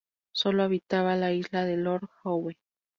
Sólo habitaba la Isla de Lord Howe.